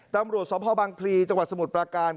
ตำรวจสพบังพลีจังหวัดสมุทรปราการ